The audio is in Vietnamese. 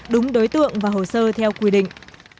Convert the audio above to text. đúng đối tượng và hồ sơ theo quy định